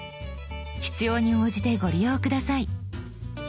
必要に応じてご利用下さい。